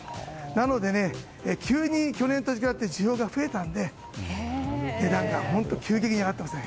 なので急に去年と比べて需要が増えたので、値段が本当に急激に上がっていますね。